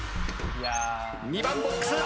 ２番ボックス。